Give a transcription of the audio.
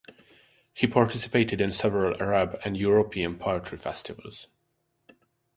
He participated in several Arab and European poetry festivals.